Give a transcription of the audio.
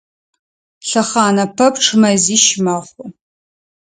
Лъэхъанэ пэпчъ мэзищ мэхъу.